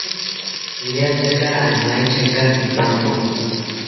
Riataki amaetyaka pipankoki